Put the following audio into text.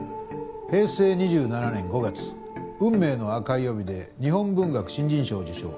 平成２７年５月『運命の紅い帯』で日本文学新人賞を受賞。